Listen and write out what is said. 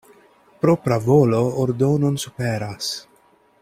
Propra volo ordonon superas.